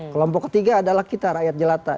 kelompok ketiga adalah kita rakyat jelata